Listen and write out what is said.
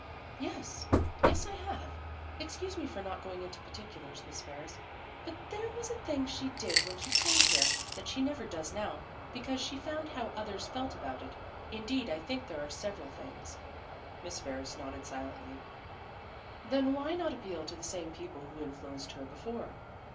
"Yes yes, I have. Excuse me for not going into particulars, Miss Ferris, but there was a thing she did when she came here that she never does now, because she found how others felt about it. Indeed, I think there are several things." Miss Ferris nodded silently. "Then why not appeal to the same people who influenced her before?"